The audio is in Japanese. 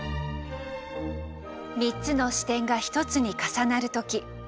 ３つの視点が一つに重なる時。